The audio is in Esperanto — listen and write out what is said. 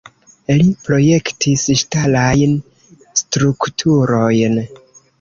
Li projektis ŝtalajn strukturojn.